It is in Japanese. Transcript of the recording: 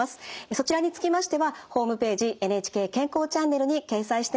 そちらにつきましてはホームページ「ＮＨＫ健康チャンネル」に掲載しています。